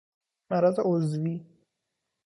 مرض عضوی